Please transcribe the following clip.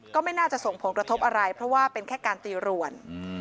ก็ไม่น่าจะส่งผลกระทบอะไรเพราะว่าเป็นแค่การตีรวน